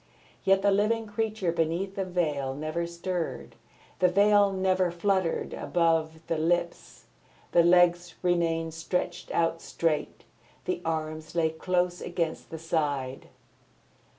Yet the living creature beneath the veil never stirred. The veil never fluttered above the lips, the legs remained stretched out straight, the arms lay close against the side.